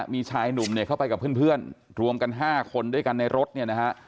มีชายหนุ่มเนี่ยเข้าไปกับเพื่อนรวมกัน๕คนด้วยกันในรถเนี่ยนะฮะ